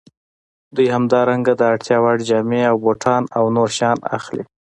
دوی همدارنګه د اړتیا وړ جامې او بوټان او نور شیان اخلي